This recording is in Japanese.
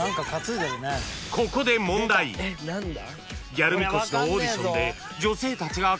［ギャルみこしのオーディションで］